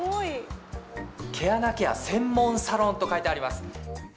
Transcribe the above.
毛穴ケア専門サロンと書いてあります。